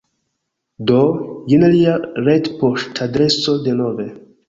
Do, jen lia retpoŝtadreso denove